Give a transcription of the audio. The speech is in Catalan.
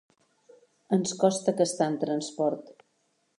Ens costa que està en transport.